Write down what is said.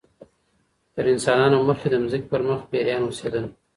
تر انسانانو مخکي د مځکي پر مخ پيريان اوسېدل